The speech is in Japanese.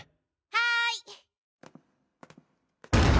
はい。